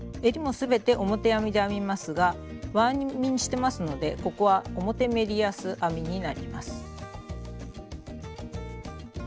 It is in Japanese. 全て表編みで編みますが輪編みにしてますのでここは表メリヤス編みになります。